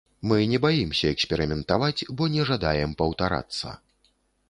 Мы не баімся эксперыментаваць, бо не жадаем паўтарацца.